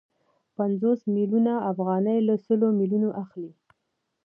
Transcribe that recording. پنځوس میلیونه افغانۍ له سلو میلیونو اخلي